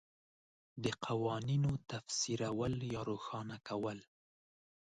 د قوانینو تفسیرول یا روښانه کول